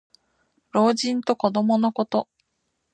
老人と子どものこと。